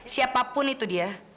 siapapun itu dia